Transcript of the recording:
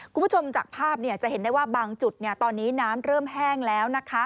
คุณผู้ชมจากภาพจะเห็นได้ว่าบางจุดตอนนี้น้ำเริ่มแห้งแล้วนะคะ